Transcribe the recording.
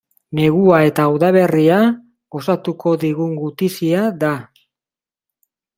Negua eta udaberria gozatuko digun gutizia da.